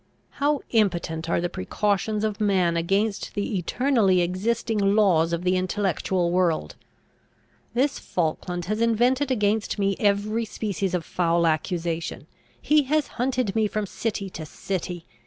How impotent are the precautions of man against the eternally existing laws of the intellectual world! This Falkland has invented against me every species of foul accusation. He has hunted me from city to city.